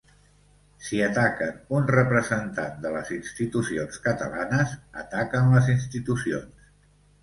Si ataquen un representant de les institucions catalanes, ataquen les institucions.